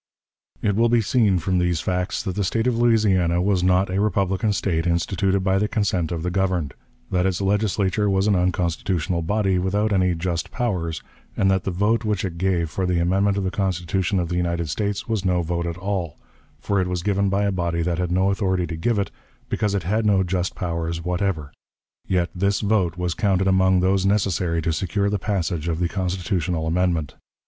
It will be seen from these facts that the State of Louisiana was not a republican State instituted by the consent of the governed; that its Legislature was an unconstitutional body, without any "just powers," and that the vote which it gave for the amendment of the Constitution of the United States was no vote at all; for it was given by a body that had no authority to give it, because it had no "just powers" whatever. Yet this vote was counted among those necessary to secure the passage of the constitutional amendment.